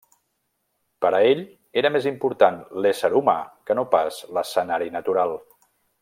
Per a ell era més important l'ésser humà que no pas l'escenari natural.